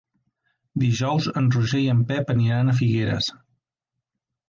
Dijous en Roger i en Pep aniran a Figueres.